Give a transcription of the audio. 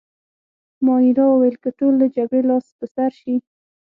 مانیرا وویل: که ټول له جګړې لاس په سر شي.